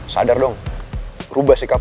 sadar dong rubah sikap